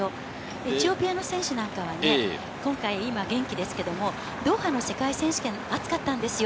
エチオピアの選手なんかはね、今回、今、元気ですけども、ドーハの世界選手権、暑かったんですよ。